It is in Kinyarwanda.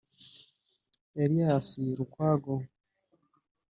Elias Lukwago